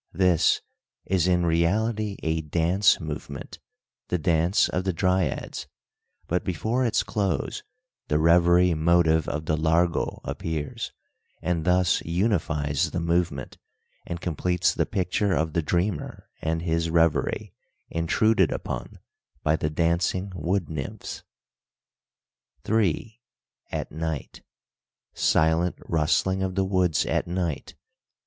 This "is in reality a dance movement the dance of the Dryads but before its close the Revery motive of the Largo appears, and thus unifies the movement and completes the picture of the dreamer and his revery intruded upon by the dancing wood nymphs." III. AT NIGHT SILENT RUSTLING OF THE WOODS AT NIGHT.